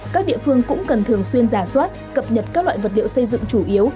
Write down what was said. các địa phương cũng cần thường xuyên giả soát cập nhật các loại vật liệu xây dựng chủ yếu